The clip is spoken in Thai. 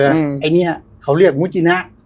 ไอเค้ากลายพื้นทรี่เรียกมุจิน่ะ